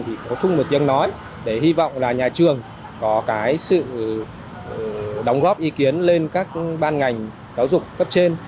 thì có chung một tiếng nói để hy vọng là nhà trường có cái sự đóng góp ý kiến lên các ban ngành giáo dục cấp trên